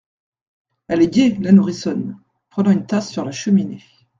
Elle est gaie, la nourrissonne Prenant une tasse sur la cheminée.